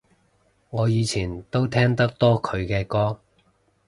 我以前都聽得多佢嘅歌